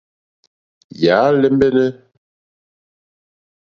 Yà á !lɛ́mbɛ́nɛ́.